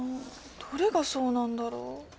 どれがそうなんだろう。